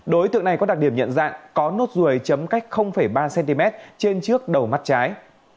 đối tượng này có đặc điểm nhận dạng có nốt ruồi chấm cách ba cm trên trước đầu mắt trái